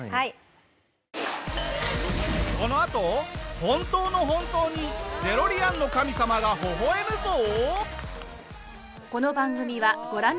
このあと本当の本当にデロリアンの神様がほほ笑むぞ！